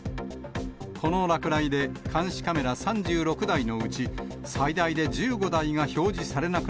この落雷で監視カメラ３６台のうち、最大で１５台が表示されなく